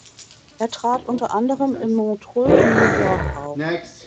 Er trat unter anderem in Montreux und New York auf.